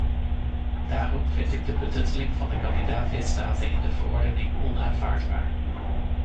Daarom vind ik de betutteling van de kandidaat-lidstaten in de verordening onaanvaardbaar.